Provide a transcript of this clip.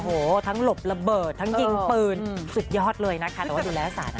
โอ้โหทั้งหลบระเบิดทั้งยิงปืนสุดยอดเลยนะคะแต่ว่าดูแลสาร